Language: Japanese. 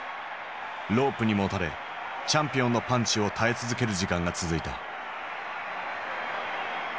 ロープにもたれチャンピオンのパンチを耐え続ける時間が続いた。